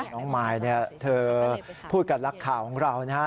มายเนี่ยเธอพูดกับนักข่าวของเรานะฮะ